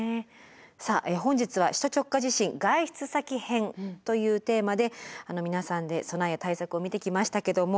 さあ本日は首都直下地震「外出先編」というテーマで皆さんで備えや対策を見てきましたけども。